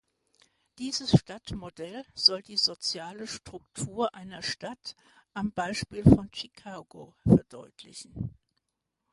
Dieses Stadtmodell soll die soziale Struktur einer Stadt am Beispiel von Chicago verdeutlichen.